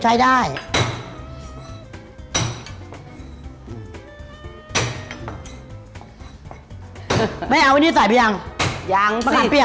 โจรทิ้ง